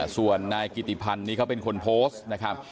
ส่วนนายกิติพันธ์นี้เขาเป็นคนโพสต์นะครับ